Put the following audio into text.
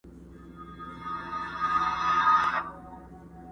که منګول یې دی تېره مشوکه غټه٫